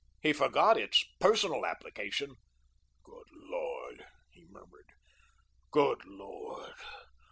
He forgot its personal application. "Good Lord," he murmured, "good Lord!